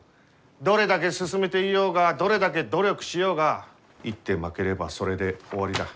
どれだけ進めていようがどれだけ努力しようが一手負ければそれで終わりだ。